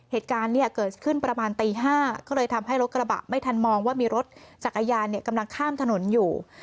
เหตุการณ์เนี่ยเกิดขึ้นประมาณตี๕ก็เลยทำให้รถกระบะไม่ทันมองว่ามีรถจักรยานกำลังข้ามถนนอยู่